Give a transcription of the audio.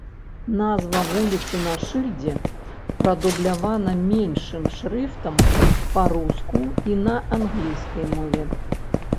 Назва вуліцы на шыльдзе прадублявана меншым шрыфтам па-руску і на англійскай мове.